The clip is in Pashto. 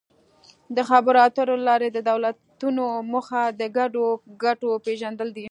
د خبرو اترو له لارې د دولتونو موخه د ګډو ګټو پېژندل دي